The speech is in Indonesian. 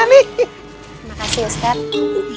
terima kasih ustadz